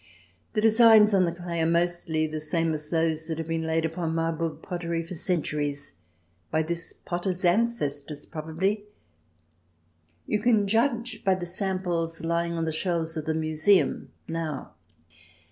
The designs on the clay are mostly the same as those that have been laid upon Marburg pottery for centuries, by this potter's ancestors probably. You can judge by the samples lying on the shelves of the Museum now.